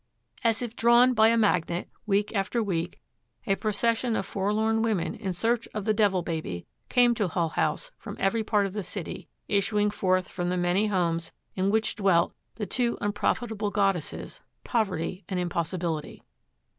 As if drawn by a magnet, week after week, a procession of forlorn women in search of the Devil Baby came to Hull House from every part of the city, issuing forth from the many homes in which dwelt 'the two unprofitable goddesses, Poverty and Impossibility.'